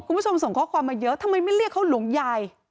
คุณผู้ชมส่งข้อความมาเยอะทำไมไม่เรียกเขาหลวงยาย